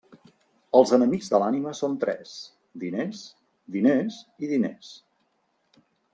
Els enemics de l'ànima són tres: diners, diners i diners.